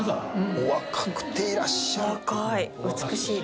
お若くていらっしゃる。